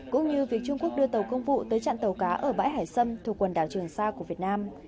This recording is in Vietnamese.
cũng như việc trung quốc đưa tàu công vụ tới chặn tàu cá ở bãi hải sâm thuộc quần đảo trường sa của việt nam